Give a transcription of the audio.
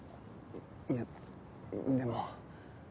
いやでも。